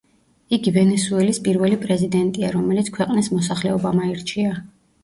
იგი ვენესუელის პირველი პრეზიდენტია, რომელიც ქვეყნის მოსახლეობამ აირჩია.